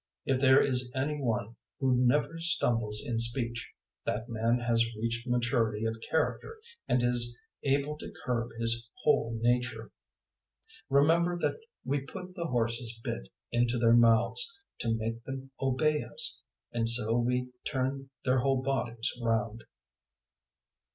If there is any one who never stumbles in speech, that man has reached maturity of character and is able to curb his whole nature. 003:003 Remember that we put the horses' bit into their mouths to make them obey us, and so we turn their whole bodies round.